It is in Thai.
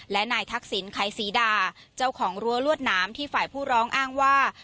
และนายทักษิณไขศรีดาเจ้าของรั้วลวดหนามที่ฝ่ายผู้ร้องอ้างว่า